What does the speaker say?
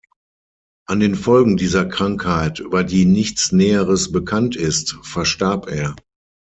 An den Folgen dieser Krankheit, über die nichts Näheres bekannt ist, verstarb er.